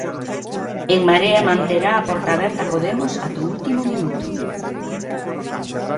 En Marea manterá a porta aberta a Podemos ata o último minuto.